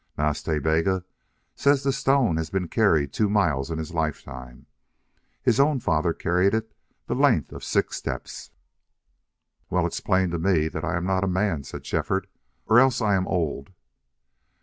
Nas Ta Bega says the stone has been carried two miles in his lifetime. His own father carried it the length of six steps." "Well! It's plain to me that I am not a man," said Shefford, "or else I am old."